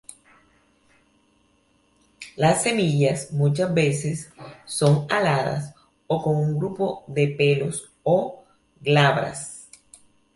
Las semillas muchas veces son aladas o con un grupo de pelos, o glabras.